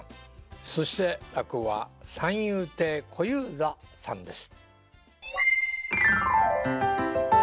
そして落語は三遊亭小遊三さんです。